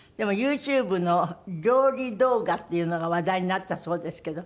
でもＹｏｕＴｕｂｅの料理動画っていうのが話題になったそうですけど。